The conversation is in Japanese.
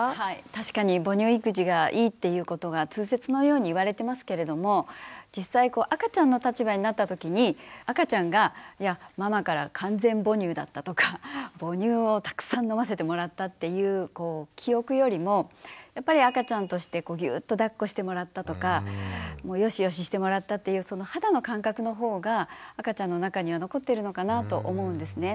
確かに母乳育児がいいっていうことが通説のように言われてますけれども実際こう赤ちゃんの立場になったときに赤ちゃんが「ママから完全母乳だった」とか「母乳をたくさん飲ませてもらった」っていう記憶よりもやっぱり赤ちゃんとしてぎゅっとだっこしてもらったとかよしよししてもらったというその肌の感覚のほうが赤ちゃんの中には残ってるのかなと思うんですね。